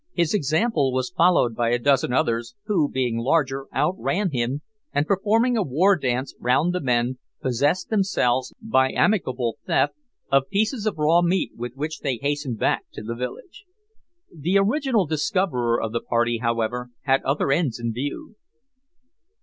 His example was followed by a dozen others, who, being larger, outran him, and, performing a war dance round the men, possessed themselves, by amicable theft, of pieces of raw meat with which they hastened back to the village. The original discoverer of the party, however, had other ends in view.